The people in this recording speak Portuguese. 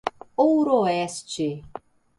Ouroeste